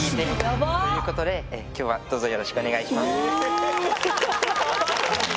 ヤバすぎ。ということで今日はどうぞよろしくお願いします。